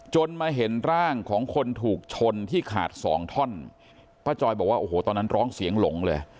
มาเห็นร่างของคนถูกชนที่ขาดสองท่อนป้าจอยบอกว่าโอ้โหตอนนั้นร้องเสียงหลงเลย